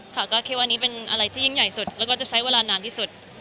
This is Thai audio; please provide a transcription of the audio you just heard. ค่ะก็คิดว่านี้เป็นอะไรที่ยิ่งใหญ่สุดแล้วก็จะใช้เวลานานที่สุด